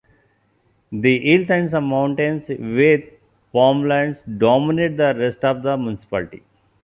The hills and some mountains with farmlands dominate the rest of the municipality.